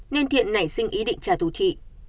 nên thiện nảy sinh ý định trả thù chị